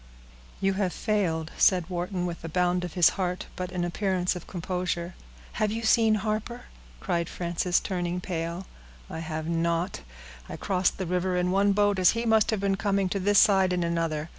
"You have failed," said Wharton, with a bound of his heart, but an appearance of composure. "Have you seen Harper?" cried Frances, turning pale. "I have not. I crossed the river in one boat as he must have been coming to this side, in another.